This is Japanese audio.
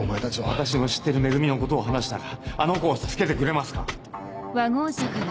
私の知ってる「め組」のことを話したらあの子を助けてくれますか？